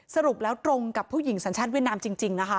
สรุปแล้วตรงกับผู้หญิงสัญชาติเวียดนามจริงนะคะ